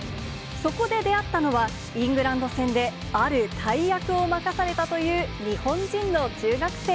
そこで出会ったのは、イングランド戦である大役を任されたという日本人の中学生。